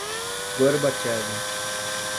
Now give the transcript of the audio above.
Gorbachev